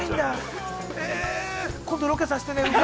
◆今度ロケさせてね。